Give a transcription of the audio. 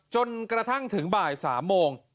จนกระทั่งถึงบ่าย๓โมง